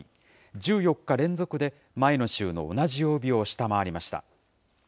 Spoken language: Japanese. １４日連続で前の週の同じ曜日を下回りました。